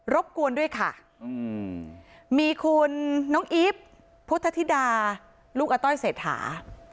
บกวนด้วยค่ะมีคุณน้องอีฟพุทธธิดาลูกอาต้อยเศรษฐา